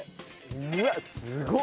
うわっすごっ！